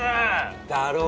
だろ？